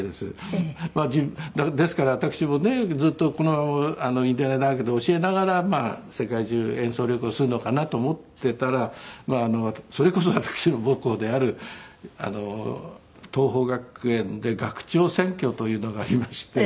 まあですから私もねずっとこのままインディアナ大学で教えながら世界中演奏旅行するのかなと思っていたらまあそれこそ私の母校である桐朋学園で学長選挙というのがありまして。